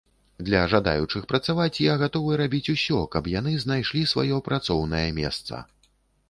Для жадаючых працаваць я гатовы рабіць усё, каб яны знайшлі сваё працоўнае месца.